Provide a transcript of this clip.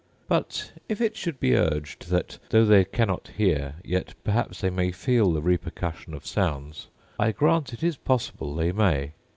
But if it should be urged, that though they cannot hear yet perhaps they may feel the repercussion of sounds, I grant it is possible they may.